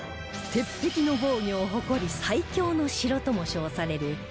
鉄壁の防御を誇り最強の城とも称される熊本城